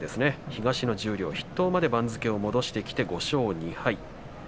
東の十両筆頭まで番付を戻してきて５勝２敗。